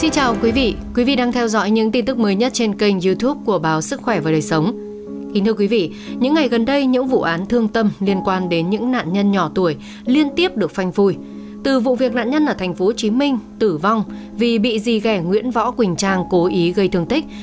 các bạn hãy đăng ký kênh để ủng hộ kênh của chúng mình nhé